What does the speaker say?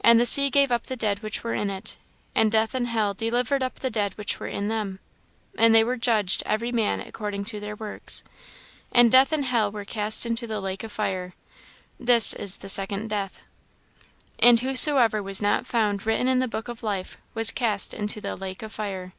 And the sea gave up the dead which were in it; and death and hell delivered up the dead which were in them: and they were judged every man according to their works. And death and hell were cast into the lake of fire. This is the second death. "And whosoever was not found written in the book of life was cast into the lake of fire."